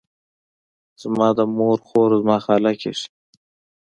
زما د مور خور، زما خاله کیږي.